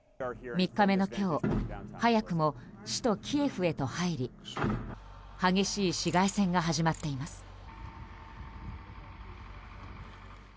３日目の今日早くも首都キエフへと入り激しい市街戦が始まっています。